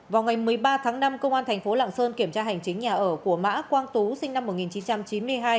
vào ngày một mươi ba tháng năm công an thành phố lạng sơn kiểm tra hành chính nhà ở của mã quang tú sinh năm một nghìn chín trăm chín mươi hai